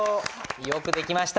よくできました。